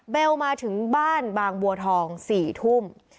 มาถึงบ้านบางบัวทอง๔ทุ่ม